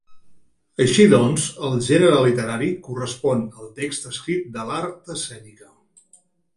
Així doncs, el gènere literari correspon al text escrit de l'art escènica.